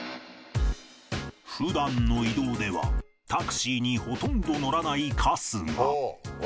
普段の移動ではタクシーにほとんど乗らない春日。